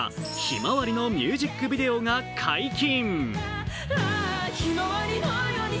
「向日葵」のミュージックビデオが解禁。